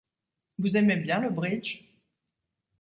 Vous aimez bien le bridge ?